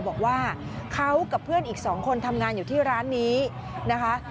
บอกว่าเขากับเพื่อนอีก๒คนทำงานอยู่ที่ร้านนี้นะคะ